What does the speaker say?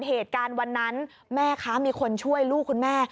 เหตุการณ์วันนั้นแม่คะมีคนช่วยลูกคุณแม่